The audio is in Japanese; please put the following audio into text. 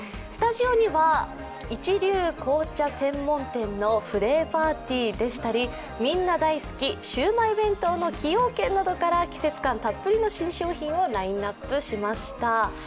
スタジオには一流紅茶専門店のフレーバーティーでしたり皆大好き、シウマイ弁当の崎陽軒から季節感たっぷりの新商品をラインナップしました。